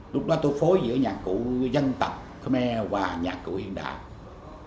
lúc đó tôi phối giữa nhạc cụ dân tộc khmer và nhạc cụ yên đạo